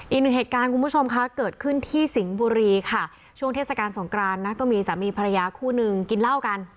อีกหนึ่งเหตุการณ์คุณผู้ชมคะเกิดขึ้นที่สิงห์บุรีค่ะช่วงเทศกาลสงกรานนะก็มีสามีภรรยาคู่นึงกินเหล้ากัน